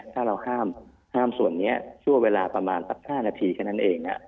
ถ้าเราห้ามส่วนนี้ช่วงเวลาประมาณสัก๕นาทีแค่นั้นเอง